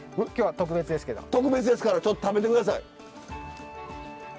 特別ですからちょっと食べて下さい。